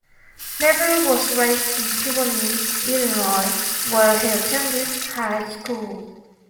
Neville was raised in Kewanee, Illinois, where he attended high school.